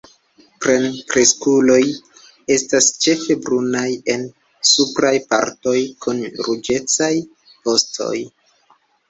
Plenkreskuloj estas ĉefe brunaj en supraj partoj, kun ruĝecaj vostoj.